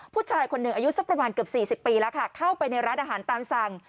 ผู้ชายคนหนึ่งอายุสักประมาณเกือบ๔๐ปีแล้วค่ะเข้าไปในร้านอาหารตามสั่ง